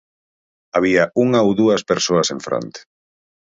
Había unha ou dúas persoas en fronte.